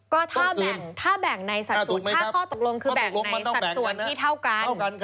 ก็ถ้าแบ่งในสัดส่วนถ้าข้อตกลงคือแบ่งในสัดส่วนที่เท่ากัน